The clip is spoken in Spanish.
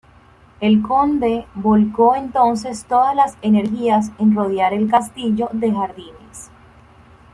El conde volcó entonces todas las energías en rodear el castillo de jardines.